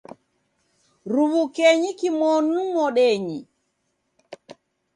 Ruw'ukenyi kimonu modenyi